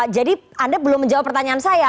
jadi anda belum menjawab pertanyaan saya